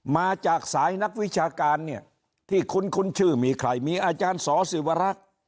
มาจากสายนักวิชาการเนี่ยที่คุ้นชื่อมีใครมีอาจารย์สอศิวรักษ์